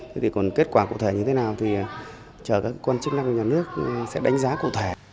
thế thì còn kết quả cụ thể như thế nào thì chờ các quan chức năng của nhà nước sẽ đánh giá cụ thể